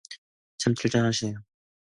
참 친절하시네요.